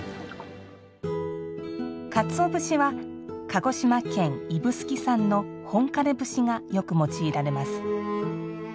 かつお節は、鹿児島県・指宿産の本枯節がよく用いられます。